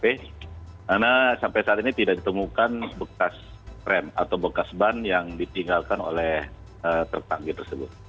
karena sampai saat ini tidak ditemukan bekas rem atau bekas ban yang ditinggalkan oleh tertanggi tersebut